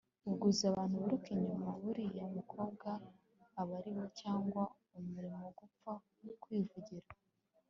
ubwo uzi abantu biruka inyuma yuriya mukobwa abaribo cyangwa urimo gupfa kwivugira